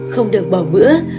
năm không được bỏ bữa